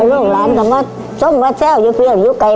ถ้าลูกหลานทำมาส้มมาเช่าอยู่เพียงอยู่ไกล